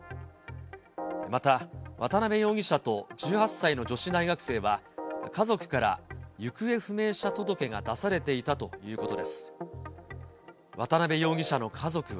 また、渡邉容疑者と１８歳の女子大学生は、家族から行方不明者届が出されていたということです。